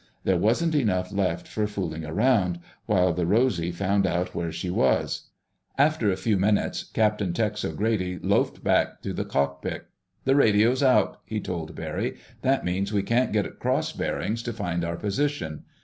There wasn't enough left for fooling around, while the Rosy found out where she was. After a few minutes, Captain Tex O'Grady loafed back to the cockpit. "The radio's out," he told Barry. "That means we can't get cross bearings to find our position.